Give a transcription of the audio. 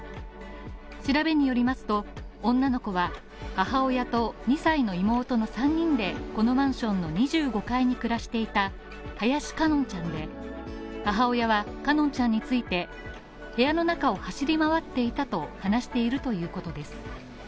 調べによりますと、女の子は母親と２歳の妹の３人でこのマンションの２５階に暮らしていた林奏音ちゃんで、母親は奏音ちゃんについて、部屋の中を走り回っていたと話しているということです。